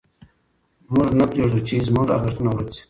موږ نه پرېږدو چې زموږ ارزښتونه ورک سي.